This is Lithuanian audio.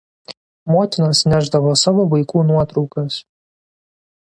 Motinos nešdavo savo vaikų nuotraukas.